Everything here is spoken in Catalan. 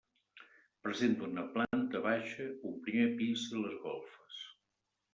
Presenta una planta baixa, un primer pis i les golfes.